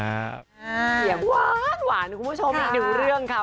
เสี่ยงหวานคุณผู้ชมไม่ถึงเรื่องค่ะ